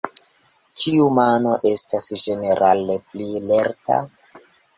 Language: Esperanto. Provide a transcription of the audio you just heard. Kiu mano estas ĝenerale pli lerta?